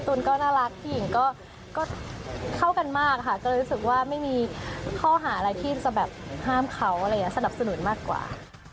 นก็น่ารักผู้หญิงก็เข้ากันมากค่ะก็เลยรู้สึกว่าไม่มีข้อหาอะไรที่จะแบบห้ามเขาอะไรอย่างนี้สนับสนุนมากกว่า